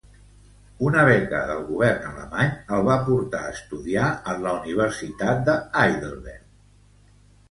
Una beca del Govern alemany el va portar a estudiar en la Universitat de Heidelberg.